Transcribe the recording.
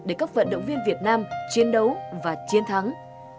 để các vận động viên việt nam chiến đấu và chiến thắng